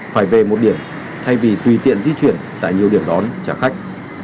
phải về một điểm thay vì tùy tiện di chuyển tại nhiều điểm đón trả khách